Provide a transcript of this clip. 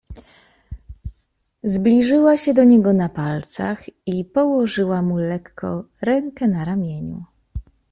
"Zbliżyła się do niego na palcach i położyła mu lekko rękę na ramieniu."